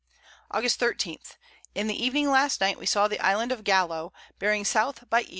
August 13. In the Evening last Night, we saw the Island of Gallo, bearing S. by E.